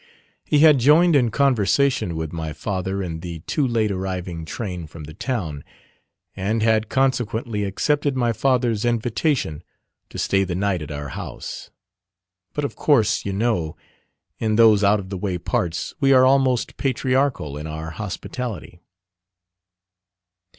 He had joined in conversation with my father in the too late arriving train from the town: and had consequently accepted my father's invitation to stay the night at our house. But of course, you know, in those out of the way parts we are almost patriarchal in our hospitality.